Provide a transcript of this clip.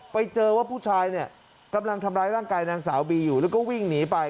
ไปเจอว่าผู้ชายเนี่ยกำลังทำร้ายร่างกายนางสาวบีอยู่แล้วก็วิ่งหนีไป